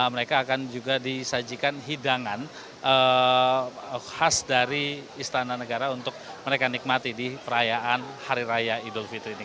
mereka akan juga disajikan hidangan khas dari istana negara untuk mereka nikmati di perayaan hari raya idul fitri ini